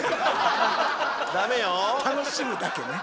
楽しむだけね。